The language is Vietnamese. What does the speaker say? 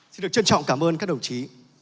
xin được trân trọng cảm ơn các đồng chí